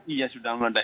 iya sudah meledak